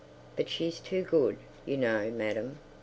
But she's too good, you know, madam.